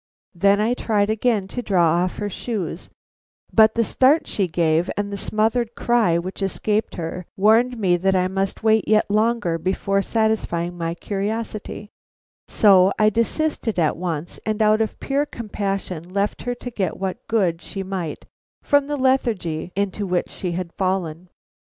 Then I tried again to draw off her shoes, but the start she gave and the smothered cry which escaped her warned me that I must wait yet longer before satisfying my curiosity; so I desisted at once, and out of pure compassion left her to get what good she might from the lethargy into which she had fallen.